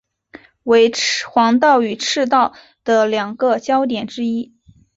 为黄道与赤道的两个交点之一。